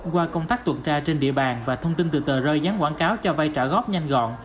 qua công tác tuận tra trên địa bàn và thông tin từ tờ rơi gián quảng cáo cho vai trả góp nhanh gọn